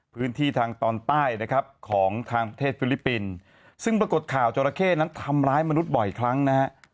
พื้นที่ทางตอนใต้นะครับของทางประเทศฟิลิปปินส์ซึ่งปรากฏข่าวจราเข้นั้นทำร้ายมนุษย์บ่อยครั้งนะฮะ